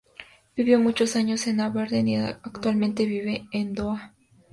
Vivió muchos años en Aberdeen, y actualmente vive en Doha.